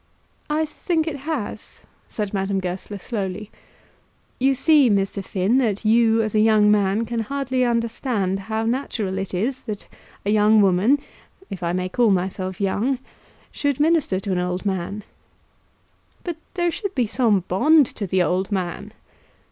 "I think it has," said Madame Goesler, slowly. "You see, Mr. Finn, that you as a young man can hardly understand how natural it is that a young woman, if I may call myself young, should minister to an old man." "But there should be some bond to the old man."